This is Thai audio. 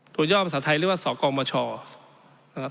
ตัวยอมภาษาไทยเรียกว่าศกรมชนะครับ